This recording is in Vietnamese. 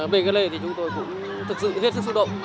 bên cạnh đây thì chúng tôi cũng thực sự hết sức xúc động